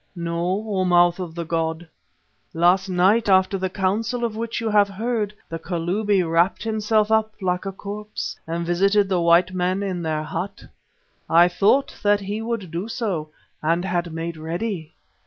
"No, O Mouth of the god. Last night, after the council of which you have heard, the Kalubi wrapped himself up like a corpse and visited the white men in their hut. I thought that he would do so, and had made ready.